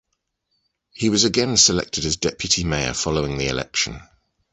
He was again selected as deputy mayor following the election.